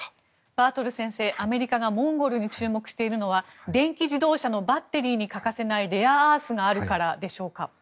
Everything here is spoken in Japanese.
バートル先生、アメリカがモンゴルに注目しているのは電気自動車のバッテリーに欠かせないレアアースがあるからでしょうか。